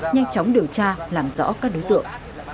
nhanh chóng điều tra làm rõ các đối tượng